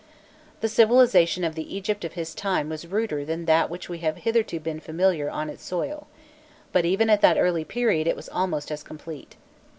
The civilization of the Egypt of his time was ruder than that with which we have hitherto been familiar on its soil, but even at that early period it was almost as complete.